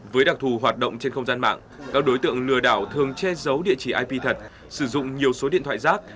với đặc thù hoạt động trên không gian mạng các đối tượng lừa đảo thường che giấu địa chỉ ip thật sử dụng nhiều số điện thoại rác